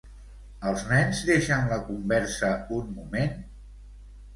Els nens deixen la conversa un moment?